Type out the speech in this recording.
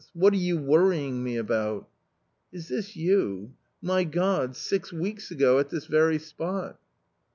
what are you worrying me about? " "Is this you? My God, six weeks ago, at this very spot